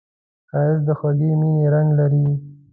ښایست د خوږې مینې رنګ لري